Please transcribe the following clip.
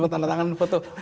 tanda tangan ini di foto